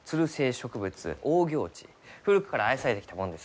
古くから愛されてきたもんです。